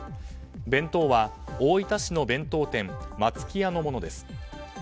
弁当は、大分市の弁当店松喜屋のものです。